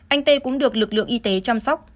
anh t v t cũng được lực lượng y tế chăm sóc